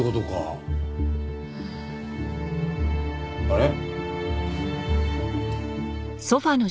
あれ？